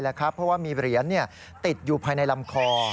เพราะว่ามีเหรียญติดอยู่ภายในลำคอ